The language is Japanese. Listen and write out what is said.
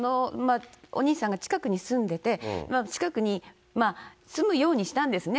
お兄さんが近くに住んでて、近くに住むようにしたんですね。